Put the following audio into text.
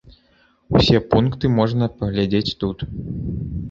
Усе пункты можна паглядзець тут.